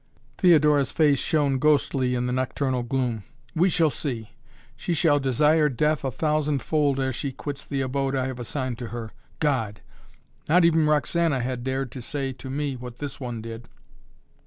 Theodora's face shone ghostly in the nocturnal gloom. "We shall see! She shall desire death a thousand fold ere she quits the abode I have assigned to her. God! Not even Roxana had dared to say to me what this one did."